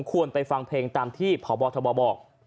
ควรไปฟังเพลงตามที่พบทบบอก